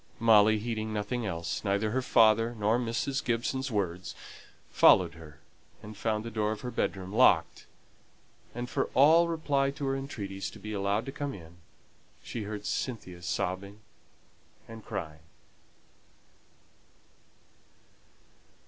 Molly, heeding nothing else neither her father nor Mrs. Gibson's words followed her, and found the door of her bedroom locked, and for all reply to her entreaties to be allowed to come in, she heard Cynthia sobbing and crying.